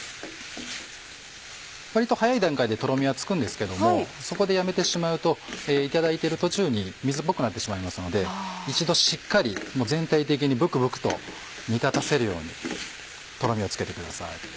割と早い段階でとろみはつくんですけどもそこでやめてしまうといただいてる途中に水っぽくなってしまいますので一度しっかり全体的にブクブクと煮立たせるようにとろみをつけてください。